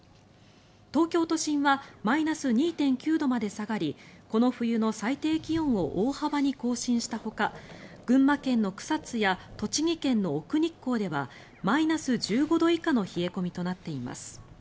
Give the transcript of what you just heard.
東京都心はマイナス２．９度まで下がりこの冬の最低気温を大幅に更新したほか群馬県の草津や栃木県の奥日光ではマイナス１５度以下の冷え込みとなっています。